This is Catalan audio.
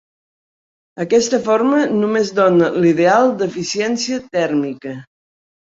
Aquesta forma només dóna l'ideal d'eficiència tèrmica.